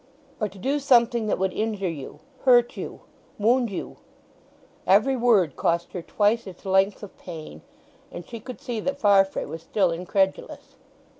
"Or to do something—that would injure you—hurt you—wound you." Every word cost her twice its length of pain. And she could see that Farfrae was still incredulous.